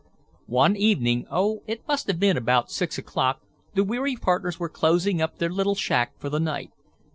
One evening, oh, it must have been about six o'clock, the weary partners were closing up their little shack for the night.